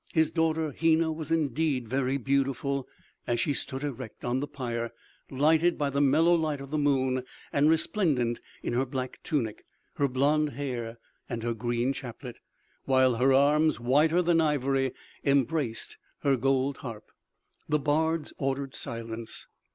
His daughter Hena was indeed very beautiful as she stood erect on the pyre, lighted by the mellow light of the moon and resplendent in her black tunic, her blonde hair and her green chaplet, while her arms, whiter than ivory, embraced her gold harp! The bards ordered silence.